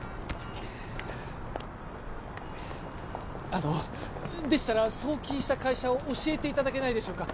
あのでしたら送金した会社を教えていただけないでしょうか？